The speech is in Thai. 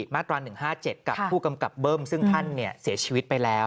มาตรา๑๕๗กับผู้กำกับเบิ้มซึ่งท่านเสียชีวิตไปแล้ว